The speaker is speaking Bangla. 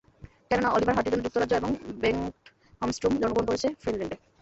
কেননা, অলিভার হার্টের জন্ম যুক্তরাজ্যে এবং বেংট হমস্ট্রোম জন্মগ্রহণ করেছেন ফিনল্যান্ডে।